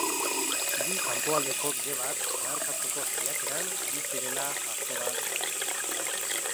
Hiri kanpoaldeko bide bat zeharkatzeko saiakeran ari zirela jazo da ezbeharra.